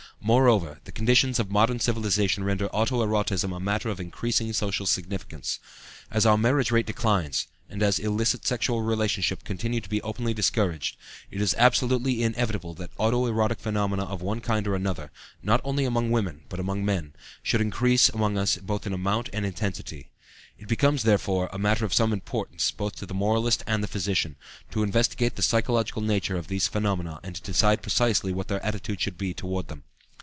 Moreover, the conditions of modern civilization render auto erotism a matter of increasing social significance. As our marriage rate declines, and as illicit sexual relationships continue to be openly discouraged, it is absolutely inevitable that auto erotic phenomena of one kind or another, not only among women but also among men, should increase among us both in amount and intensity. It becomes, therefore, a matter of some importance, both to the moralist and the physician, to investigate the psychological nature of these phenomena and to decide precisely what their attitude should be toward them.